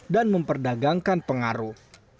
dan memperdagangkan pengaruh